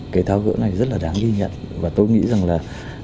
cái thao gỡ này rất là đáng ghi nhận và tôi nghĩ rằng là